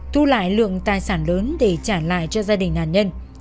thu lại lượng tài sản lớn để trả lại cho gia đình nạn nhân